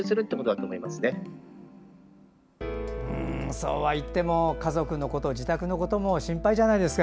そうはいっても家族のこと自宅のことも心配ですよね。